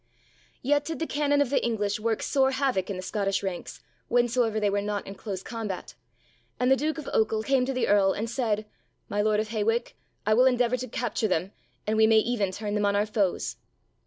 Yet did the cannon of the English work sore havoc in the Scottish ranks, whensoever they were not in close combat, and the Duke of Ochil came to the Earl and said; "My Lord of Hawick, I will endeavour to capture them and we may even turn them on our foes."